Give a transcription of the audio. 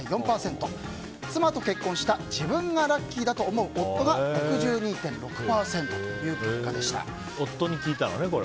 妻と結婚した自分がラッキーだと思う夫が６２．６％という結果でした。